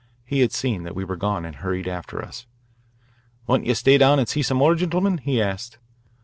He had seen that we were gone and hurried after us. "Won't ye stay down an' see some more, gintlemen?" he asked.